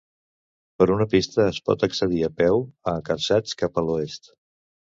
Per una pista es pot accedir a peu a Carsaig cap a l'oest.